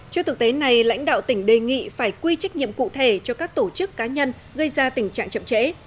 trước thực tế này lãnh đạo tỉnh đề nghị phải quy trách nhiệm cụ thể cho các tổ chức cá nhân gây ra tình trạng chậm trễ